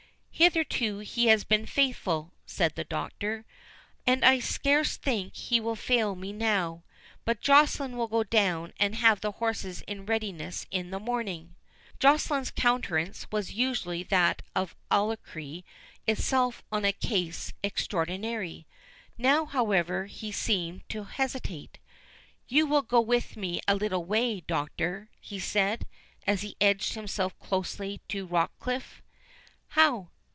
"Hitherto he has been faithful," said the Doctor, "and I scarce think he will fail me now. But Joceline will go down and have the horses in readiness in the morning." Joceline's countenance was usually that of alacrity itself on a case extraordinary. Now, however, he seemed to hesitate. "You will go with me a little way, Doctor?" he said, as he edged himself closely to Rochecliffe. "How?